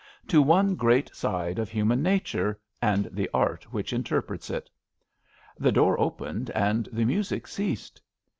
— to one great side of human nature and the art which interprets it. The door opened and the music ceased.